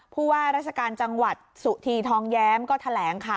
ผู้ว่าราชการจังหวัดสุธีทองแย้มก็แถลงค่ะ